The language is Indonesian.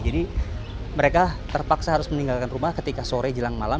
jadi mereka terpaksa harus meninggalkan rumah ketika sore jelang malam